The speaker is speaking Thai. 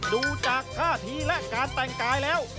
ดูจากท่าทีและการแต่งกายแล้ว